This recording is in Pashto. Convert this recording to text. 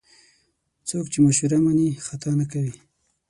څوک چې مشوره مني، خطا نه کوي.